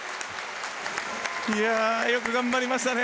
よく頑張りましたね。